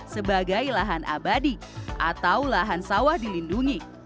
sebagai lahan abadi atau lahan sawah dilindungi